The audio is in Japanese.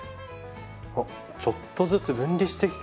あっちょっとずつ分離してきましたね。